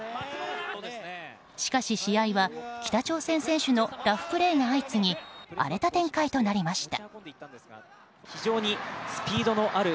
しかし、試合は北朝鮮選手のラフプレーが相次ぎ荒れた展開となりました。